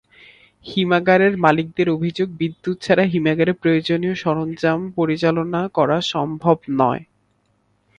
হিমাগারের মালিকদের অভিযোগ, বিদ্যুৎ ছাড়া হিমাগারের প্রয়োজনীয় সরঞ্জাম পরিচালনা করা সম্ভব নয়।